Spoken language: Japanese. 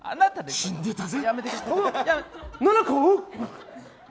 死んでたぜ！